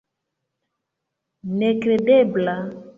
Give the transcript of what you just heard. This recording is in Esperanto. Nekredebla!